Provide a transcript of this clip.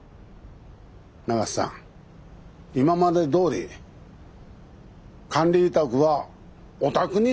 永瀬さん今までどおり管理委託はおたくにお願いします。